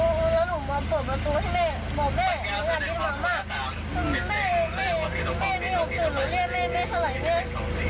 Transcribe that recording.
แม่ไม่อมตื่น